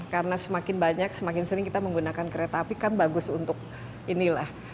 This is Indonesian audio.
karena semakin banyak semakin sering kita menggunakan kereta api kan bagus untuk inilah